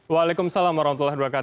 waalaikumsalam wr wb